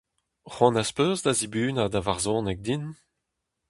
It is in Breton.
C'hoant az peus da zibunañ da varzhoneg din ?